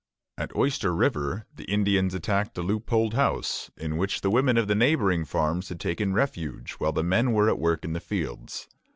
At Oyster River the Indians attacked a loopholed house, in which the women of the neighboring farms had taken refuge while the men were at work in the fields.